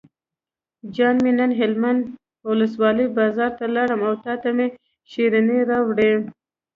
جان مې نن هلمند ولسوالۍ بازار ته لاړم او تاته مې شیرینۍ راوړې.